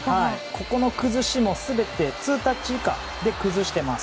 ここの崩しも全てツータッチ以下で崩しています。